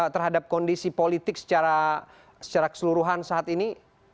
terhadap kondisi politik secara keseluruhan saat ini